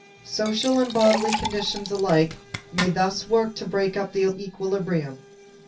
Social and bodily conditions alike may thus work to break up the equilibrium.